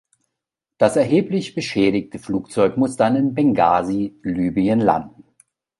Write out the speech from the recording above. Das erheblich beschädigte Flugzeug muss dann in Bengasi, Libyen landen.